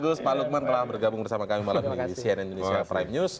terima kasih pak lukman telah bergabung bersama kami malam ini di cnn indonesia prime news